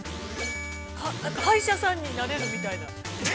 歯医者さんになれるみたいな。